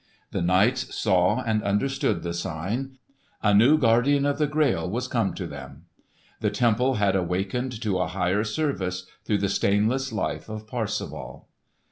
The knights saw and understood the sign; a new Guardian of the Grail was come to them. The temple had awakened to a higher service through the stainless life of Parsifal.